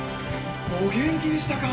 お元気でしたか。